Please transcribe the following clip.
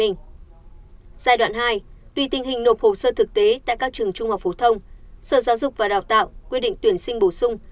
giai đoạn hai tùy tình hình nộp hồ sơ thực tế tại các trường trung học phổ thông sở giáo dục và đào tạo quy định tuyển sinh bổ sung